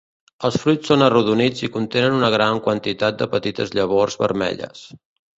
Els fruits són arrodonits i contenen una gran quantitat de petites llavors vermelles.